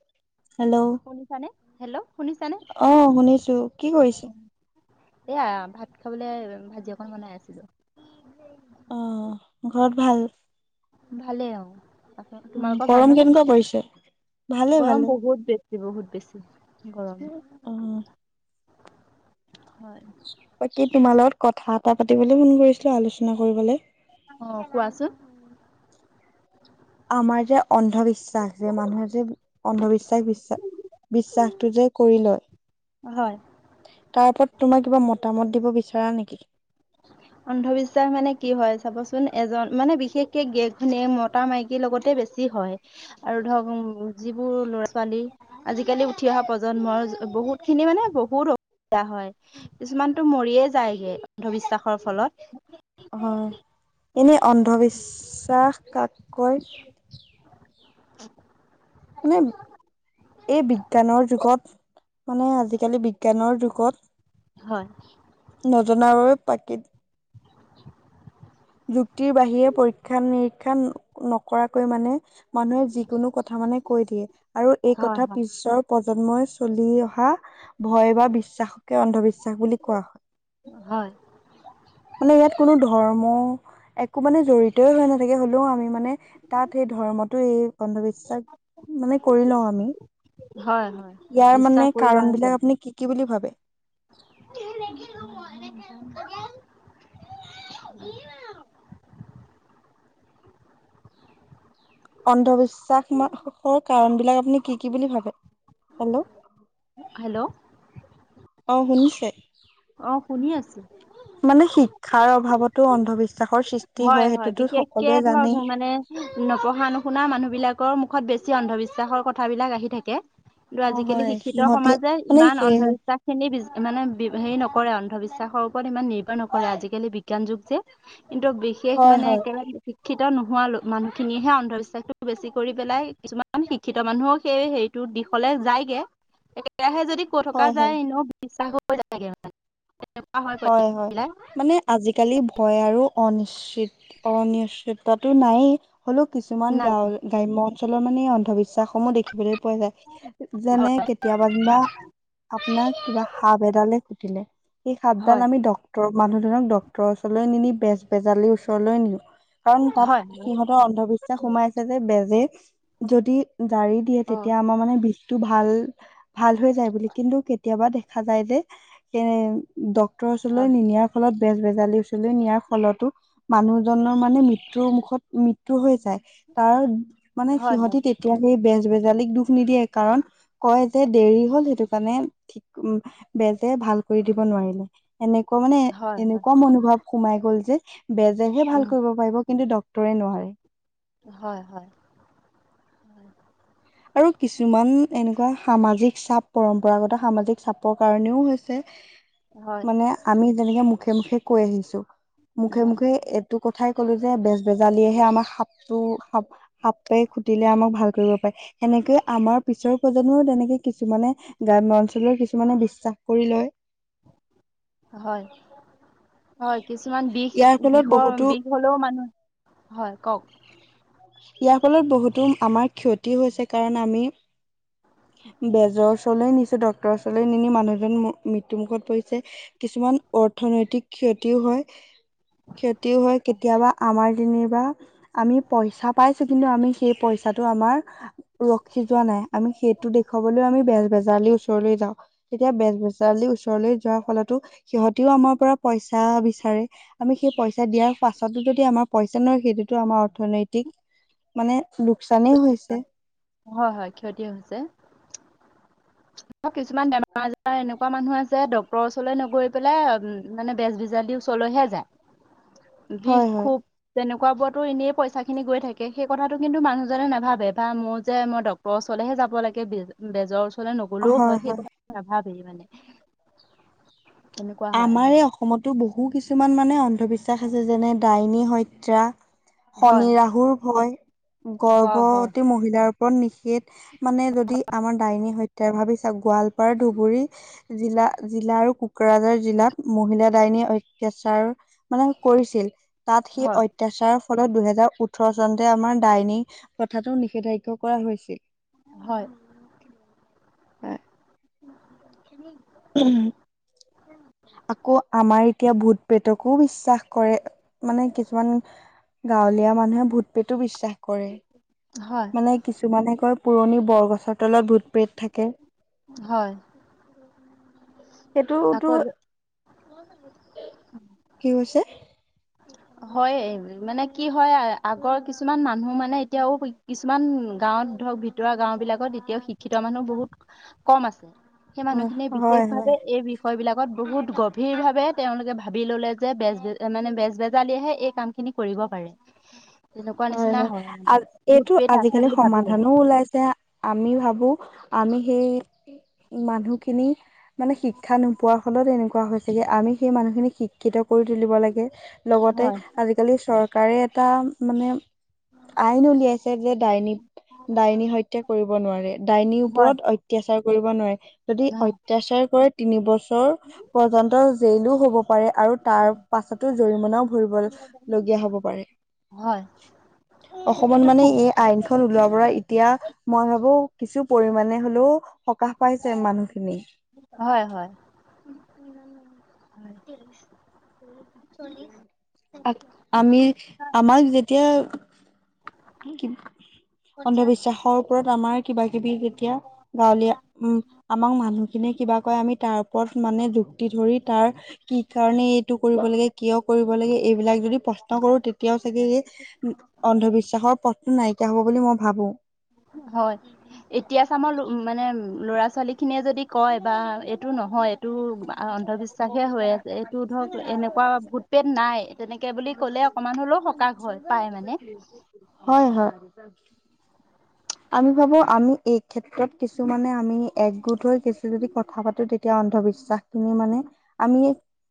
[inaudible] Hello, শুনিছানে? Hello শুনিছানে? অহ শুনিছো কি কৰিছে? এয়া ভাত খাবলৈ ভাজি অকন বনাই আছিলো। অ, ঘৰত ভাল? ভালে আৰু। উম, গৰম কেনেকুৱা পৰিছে? ভালে গৰম ভালে বহুত বেছি বহুত বেছি গৰম। অ হয়। ব কি তোমাৰ লগত কথা এটা পাতিবলৈ ফোন কৰিছিলো আলোচনা কৰিবলে অহ, কোৱাচোন। আমাৰ যে অন্ধবিশ্ব বিশ্বাস যে মানুহে যে অন্ধবিশ্বাস বিশ্বাস বিশ্বাসটো যে কৰি হয়। লয় তাৰ ওপৰত তোমাৰ কিবা মতামত দিব বিচাৰা নেকি? অন্ধবিশ্বাস মানে কি হয় চাবচোন চোন এজন মানে বিশেষকে গেত মতা মাইকীৰ লগতে বেছি হয়। আৰু ধৰক উম, যি বোৰ ল'ৰা ছোৱালী আজিকালি উঠি অহা প্ৰজন্মৰ বহুতখিনি মানে বহুত দিয়া হয় কিছুমানটো মৰিয়ে যায়গে অন্ধবিশ্বাস হয় এনেই অন্ধবিশ্বাস কাক কয় [inaudible] মানে এই বিজ্ঞানৰ যুগত মানে আজিকালি বিজ্ঞানৰ যুগত হয়। নজনা আৰু পাকিট যুক্তিৰ বাহিৰে পৰীক্ষা নিৰীক্ষা নকৰাকৈ মানে মানুহে যিকোনো কথা মানে কৈ দিয়ে আৰু এই হয় কথা হয় পিছৰ প্ৰজন্মই চলি অহা ভয় বা বিশ্বাসকে অন্ধবিশ্বাস বুলি কোৱা হয়। হয়। মানে ইয়াত কোনো ধৰ্ম একো মানে জৰিতই হৈ নাথাকে হ'লেও আমি মানে তাত সেই ধৰ্মটো এই অন্ধবিশ্বাস মানে কৰি লও আমি। হয় হয় ইয়াৰ বিশ্বাস মানে কৰি লোৱা কাৰণ হৈছে বিলাক আপুনি কি - কি বুলি ভাবে? [unintelligible] অন্ধবিশ্বাস চাহখৰ কাৰণ বিলাক আপুনি কি কি বুলি ভাবে? হেল্ল', হেল্ল' শুনিচে অ শুনি আছো মানে শিক্ষাৰ অভাৱতো অন্ধবিশ্ব হয় - হয় বিশেষকে ধৰক জানেই মানে নপঢ়া নুশুনা মানুহ বিলাকৰ [unintelligible] বেছি অন্ধবিশ্বাসৰ কথাবিলাক আহি থাকে। কিন্তু অ আজিকালি হয় শিক্ষিত সিহঁতে সমাজে মানে ইমান সেই অন্ধবিশ্বাস খিনি মানে হেৰি নকৰে অন্ধবিশ্বাসৰ ওপৰত ইমান নিৰভৰ নকৰে আজিকালি বিজ্ঞান যুগ যে, কিন্তু বিশেষ হয় মানে হয় একেবাৰে শিক্ষিত নোহোৱা মানুহখিনিয়েহে অন্ধবিশ্বাসটো বেছি কৰি পেলাই কিছুমান শিক্ষিত মানুহক সেই হেৰিটো দি নিষলে যায়গে একেৰাহে যদি কৈ থকা হয় হয় যায় এনেও বিশ্বাস হৈ [unintelligible] হয় হয় বিলাক মানে আজিকালি হয় আৰু অনিশ্চিত অনিশ্চিততাটো নাইেই। হ'লও কিছুমান গাৱৰ গ্ৰাম্য অঞ্চলৰ মানে অন্ধবিশ্ব বিশাস সমূহ দেখিবলৈ পোৱা যায় যেনে কেতিয়াবা যেনিবা আপোনাক কিবা সাপ এডালে খুটিলে খুতিলে [unintelligible] ডাল হয় আমি ডটৰ মানুহজনক ডক্তটৰৰ ওচৰলৈ নিনি বেজ বেজালিৰ ওচৰলৈ নিয়ে। কাৰণ তাত হয় হয় সিহঁতৰ অন্ধবিশ্বাস সোমাই আছে যে বেজে যদি জাৰি দিয়ে অ তেতিয়া আমাৰ মানে বিশ ভাল হৈ যায় বুলি কিন্তু কেতিয়াবা দেখা যায় যে এ ডক্টৰ ওচলৈ হয় নি নিয়াৰ ফলত বেজ বেজালী ওচলৈ নিয়াৰ ফলতো মানুহজনক মানে মৃত্যু মুখত মৃত্যু হৈ যায় তাৰ মানে হয় হয় সিহতি তেতিয়া সেই বেজ বেজনি জালিক দুখ নিদিয়ে কাৰণ কয় যে দেৰি হল সেইটো কাৰণে ঠিক বেজে ভাল কৰি দিব। নোৱাৰিলে এনেকুৱা মানে হয় হয় এনেকুৱা মনোভাৱ সোমাই গল যে বেজেহে ভাল উম কৰিব পাৰিব কিন্তু ডক্টৰে নোৱাৰে। হয় হয়। আৰু কিছুমান এনেকুৱা সামাজিক চাপ পৰম্পৰাগত সামাজিক চাপৰ কাৰণেও হৈছে। হয় মানে আমি যেনেকে মুখে মুখে কৈ আহিছো, মুখে হয় মুখে কথাই কলো যে বেজ বেজালিয়েহে আমাক সাপটো সাপে খুটিলে আমাক ভাল কৰিব পাৰে, সেনেকে আমাৰ পিছৰ প্ৰজন্মও তেনেকে কিছুমানে গ্ৰাম্য অঞ্চলৰ কিছুমানে বিশ্বাস কৰি লয়। [inaudible] হয়। হয়, কিছুমান বিষ ইয়াৰ ফলত বিষৰ বহুতো বিষ হলেও মানুহ, হয় কওক! ইয়াৰ ফলত বহুতো আমাৰ ক্ষতি হৈছে কাৰণ আমি বেজৰ ওচৰলৈ নিছে ডক্তৰৰ ওচৰলৈ নিনি মানুহজন মৃত্যু মুুখত পৰিছে কিছুমান অৰ্থনৈতিক ক্ষতিও হয় খ্যতিও হয়, কেতিয়াবা আমাৰ যেনিবা আমি পইচা পাইছো কিন্তু আমি সেই পইচাটো আমাৰ ৰখি যোৱা নাই আমি টো দেখুৱাবলৈ আমি বেজ বেজালি ওচৰলৈ যাওঁ। তেতিয়া বেচ বেজালীৰ ওচৰলৈ যোৱাৰ ফলতো সিহতিও আমাৰ পৰা পইচা বিচাৰে আমি সেই পইচা দিয়াৰ পাছতো যদি আমাৰ পইচা নয় সেইটোতো আমাৰ অৰ্থনৈতিক মানে লোকচানেই হৈছে। হয় হয় ক্ষতি হৈছে [inaudible] কিছুমান বেমাৰ আজাৰ এনেকুৱা মানুহ আছে ডক্তৰৰ ওচৰলৈ নগৈ পেলাই মানে বেজ বেজালী উচৰলৈ হে যায়। হয় [unintelligible] হয় খোৱা বোৱাতো এনেই পইচাখিনি গৈ থাকে সেই কথাটো কিন্তু মানুহজনে নাভাবে বা মই যে ডক্টৰ ওচৰলৈহে যাব লাগে, বেজ বেজৰ ওচৰলৈ নগলেও হয় সেই কথা নাভাৱেই মানে। তেনেকুৱা হয় আমাৰ আজি এই অসমতো বহু কিছুমান মানে অন্ধবিশ্বাস আছে যেনে ডাইনী হত্যা। শনি হয় ৰাহুৰ ভয়, হয় হয় গৰ্ভৱতী মহিলাৰ ওপৰত নিষেধ। মানে যদি আমাৰ ডাইনী হত্যা ভাবি চাওক গোৱালপাৰা ধুবুৰী জিলা জিলা আৰু কোকৰাঝাৰ জিলাত মহিলা দাইনী অত্যাচাৰ মানে কৰিছিল। তাত সি হয় অত্যাচাৰ ফলত দুহেজাৰ ওঠৰ চনতে আমাৰ ডাইনী প্ৰথাটো নিষেধাজ্ঞ কৰা হৈছিল। হয়। উম। [unintelligible] আকৌ আমাৰ এতিয়া ভূত প্ৰেতকো চাস কৰে মানে কিছুমান গাঁৱলীয়া মানুহে ভূত প্ৰেতো বিশ্বাস কৰে। হয় মানে কিছুমানে কয় পুৰণি বৰগছৰ তলত ভূতপ্ৰেত থাকে। হয়। সেইটোতো আকৌ কি [unintelligible] হৈছে? হয়, মানে কি হয় আগৰ কিছুমান মানুহ মানে এতিয়াও কিছুমান গাঁৱত ধৰক ভিতৰুৱা গাঁও বিলাকত এতিয়াও শিক্ষিত মানুহ বহুত কম আছে। সেই হয়, মানুহখিনিয়ে বিশেষ হয়, ভাৱে হয়, এই বিষয় বিলাক কত বহুত গভীৰ ভাৱে তেওঁলোকে ভাবি ললে যে বেজ বেজে মানে বেজালিয়েহে এই কাম খিনি কৰিব পাৰে। তেনেকুৱা হয় নিচিনা হয়, আ মানে। ভূত এইটো পেট আছে আজিকালি বুলি ভাবি লয় সমাধানো ওলাইছে আমি ভাবো আমি সেই মানুহখিনি মানে শিক্ষা নোপোৱাৰ ফলত এনেকুৱা কোৱা হৈছেগে আমি সেই মানুহখিনিক শিক্ষিত কৰি তুলিব লাগে লগতে হয় আজিকালি চৰকাৰে এটা মানে আইন উলিয়াইছে যে ডাইনী ডাইনী হত্যা কৰিব নোৱাৰে, ডাইনীৰ হয় ওপৰত অত্যাচাৰ কৰিব নোৱাৰে, যদি হয় অত্যাচাৰ কৰে তিনি বছৰ পৰ্যন্ত জেইলো হব প আৰু তাৰ পাছতো জৰিমনাও ভৰিবলীয়া হ'ব পাৰে। হয় অসমত এইটো মানে খুব এই আইনখন ওলাব পৰা এতিয়া মই ভাবো কিছু পৰিমণে হলেও সকাহ পাইছে মানুহখিনি মতি আমি আমাক যে এতিয়া কি অন্ধবিশ্বাসৰ ওপৰত আমাৰ কিবা কিবি যেতিয়া গাৱলীয়া উম, আমাক মানুহখিনিয় কিবা কয় আমি তাৰ ওপৰত মানে যুক্তি ধৰি তাৰ কি কাৰণে এইটো কৰিব লাগে কিয় কৰিব লাগে এইবিলাক যদি প্ৰশ্ন কৰো তেতিয়াও চাগে এই অন্ধবিশ্বাসৰ পথটো নাইকিয়া হব বুলি মই ভাবো। হয়, এতিয়া চামাৰ মানে ল'ৰা ছোৱালীখিনিয়ে যদি কয় বা এইটো নহয় এইটো। আৰু অন্ধবিশ্বাসে হৈ আছে এইটো ধৰক এনেকুৱা ভোটপেট নাই তেনেকৈ বুলি ক'লে অকণমান হ'লেও সকাহ হয় পায় মানে হয় - হয়। আমি ভাবো আমি এই ক্ষেত্ৰত কিছুমানানে আমি একগোট হৈ কিছু যদি কথা পাতো তেতিয়া অন্ধবিশ্বাসখিনি মানে আমি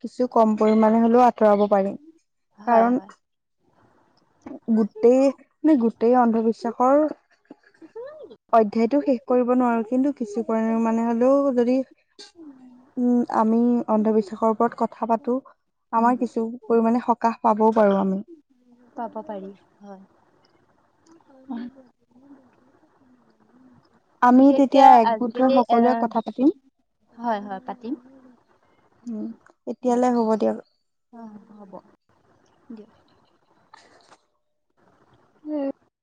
কিছু কম পৰিমমানে হলেও আতৰাব পাৰিম হয় কাৰণ হয় গোটেই মানে গোটেই অন্ধবিশ্বাসৰ অধ্যয়ায়তটো শেষ কৰিব নোৱাৰো কিন্তু কিছু পৰিণে মানে হ'লেও যদি উম, আমি অন্ধবিশ্বাসৰ ওপৰত কথা পাতো আমাৰ উম কিছু পৰিমানে পাবও পাৰো আমি পাব পাৰি হয়। আমি বিশেষকে তেতিয়া একগোট হৈ আজিকালি এৰা সকলোৱে কথা পাতিম হয় - হয় পাতিম। উম, এতিয়ালৈ হ'ব দিয়ক। অ, হ'ব দিয়ক।